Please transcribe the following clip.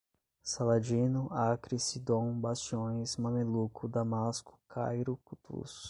Saladino, Acre, Sidom, bastiões, mameluco, Damasco, Cairo, Cutuz